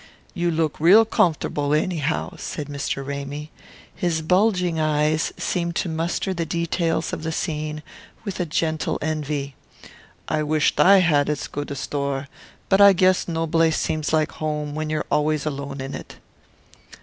"You look real comfortable, anyhow," said Mr. Ramy. His bulging eyes seemed to muster the details of the scene with a gentle envy. "I wisht I had as good a store; but I guess no blace seems home like when you're always alone in it."